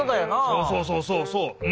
そうそうそうそうそう！